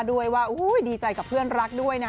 ด้วยว่าดีใจกับเพื่อนรัก